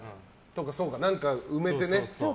何か埋めてね。